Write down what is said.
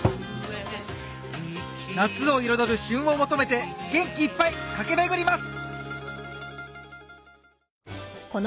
夏を彩る旬を求めて元気いっぱい駆け巡ります